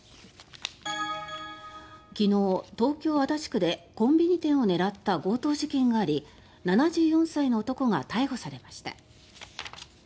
昨日、東京・足立区でコンビニ店を狙った強盗事件があり７４歳の男が逮捕されました。